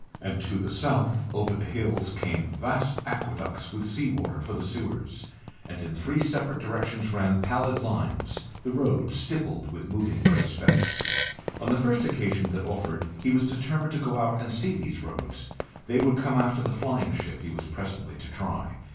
And to the south over the hills came vast aqueducts with sea water for the sewers, and in three separate directions ran pallid lines the roads, stippled with moving grey specks. On the first occasion that offered he was determined to go out and see these roads. That would come after the flying ship he was presently to try.